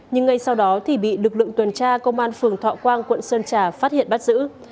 nhưng ngay sau đó thì bị lực lượng tuần tra công an phường thọ quang quận sơn trà phát hiện bắt giữ